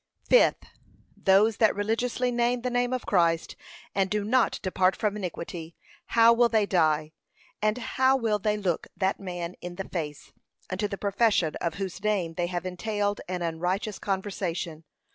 Fifth, Those that religiously name the name of Christ, and do not depart from iniquity, how will they die; and how will they look that man in the face, unto the profession of whose name they have entailed an unrighteous conversation?